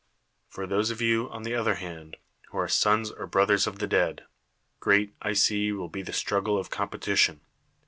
For those of you, on the other hand, who are sons or brothers of the dead, great, I see, will be the struggle of competition.